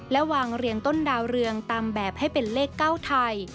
และวางเรียงต้นดาวเรืองตามแบบให้เป็นเลข๙ไทย